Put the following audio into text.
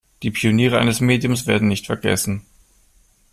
Die Pioniere eines Mediums werden nicht vergessen.